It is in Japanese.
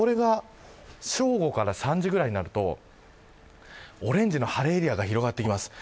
正午から３時くらいになるとオレンジの晴れエリアが広がります。